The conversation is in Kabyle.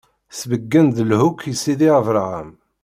Sbeggen-d lehhu-k i sidi Abṛaham.